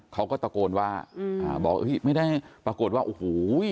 เขาก็ตะโกนว่าบอกเอ้ยไม่ได้ปรากฏว่าโอ้โห